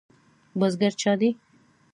بزګر پاچا دی؟